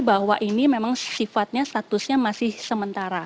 bahwa ini memang sifatnya statusnya masih sementara